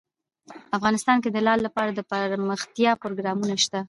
افغانستان کې د لعل لپاره دپرمختیا پروګرامونه شته.